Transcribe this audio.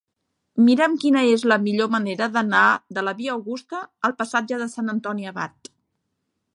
Mira'm quina és la millor manera d'anar de la via Augusta al passatge de Sant Antoni Abat.